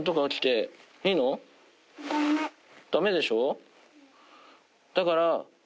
ダメでしょ？